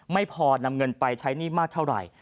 ไม่พอนำเงินไปใช้หนี้มากเท่าไหร่